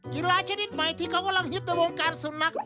กีฬาชนิดใหม่ที่เขากำลังฮิตในวงการสุนัข